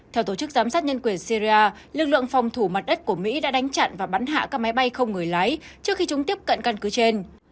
theo tổ chức giám sát nhân quyền syria lực lượng phòng thủ mặt đất của mỹ đã đánh chặn và bắn hạ các máy bay không người lái trước khi chúng tiếp cận căn cứ trên